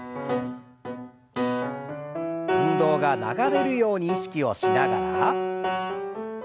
運動が流れるように意識をしながら。